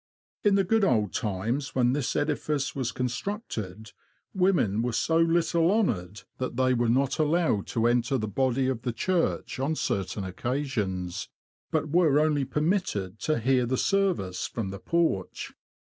In the good old times when this edifice was constructed, women were so little honoured that they were not allowed to enter the body of the church on certain occasions, but were only permitted to hear the service from the porch.